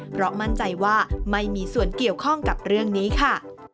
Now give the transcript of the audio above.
เพราะมั่นใจว่าไม่มีส่วนเกี่ยวข้องกับเรื่องนี้ค่ะ